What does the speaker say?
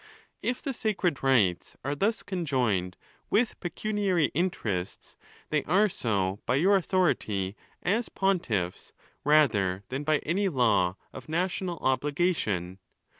If the sacred rites are thus conjoined with pecuniary interests, they are so by your authority as pontiffs, rather than by any law of national obligation.